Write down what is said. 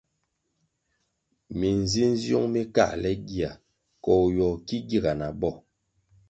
Minzinziung mi káhle gia koh ywogo ki giga na bo.